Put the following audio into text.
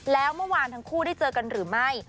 แล้วเมื่อวานทั้งคู่ได้เจอกันหรือไม่